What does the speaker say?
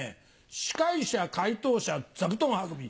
司会者回答者座布団運び